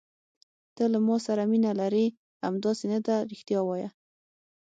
ته له ما سره مینه لرې، همداسې نه ده؟ رښتیا وایه.